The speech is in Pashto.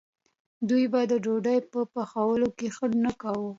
دوی به د ډوډۍ په پیلولو کې ځنډ نه کاوه.